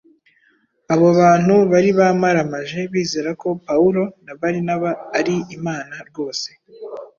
Abo bantu bari bamaramaje bizera ko Pawulo na Barinaba ari imana rwose,